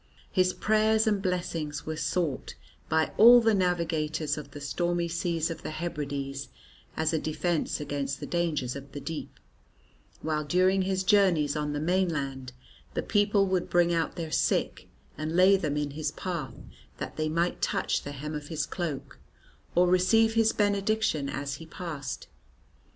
His prayers and blessing were sought by all the navigators of the stormy seas of the Hebrides as a defence against the dangers of the deep; while during his journeys on the mainland the people would bring out their sick and lay them in his path, that they might touch the hem of his cloak or receive his benediction as he passed.